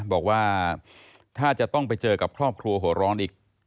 บอกว่าถ้าจะต้องไปเจอกับครอบครัวหัวร้อนอีก